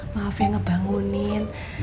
maaf ya ngebangunin